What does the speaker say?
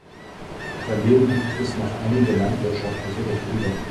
Daneben gibt es noch einige landwirtschaftliche Betriebe.